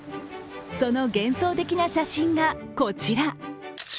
その幻想的な写真がこちら。